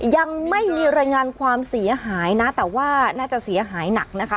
ยังไม่มีรายงานความเสียหายนะแต่ว่าน่าจะเสียหายหนักนะคะ